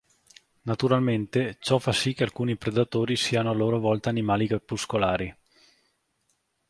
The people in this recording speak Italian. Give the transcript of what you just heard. Naturalmente ciò fa sì che alcuni predatori siano a loro volta animali crepuscolari.